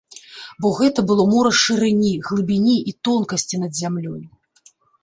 Бо гэта было мора шырыні, глыбіні і тонкасці над зямлёй.